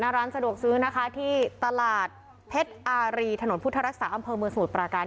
ร้านสะดวกซื้อนะคะที่ตลาดเพชรอารีถนนพุทธรักษาอำเภอเมืองสมุทรปราการ